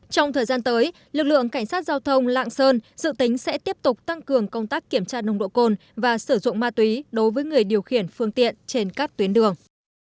trong thời gian tới lực lượng cảnh sát giao thông lạng sơn dự tính sẽ tiếp tục tăng cường công tác kiểm tra nồng độ cồn và sử dụng ma túy đối với người điều khiển phương tiện trên các tuyến đường